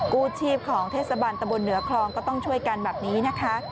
กู้ชีพของเทศบาลตะบนเหนือคลองก็ต้องช่วยกันแบบนี้นะคะ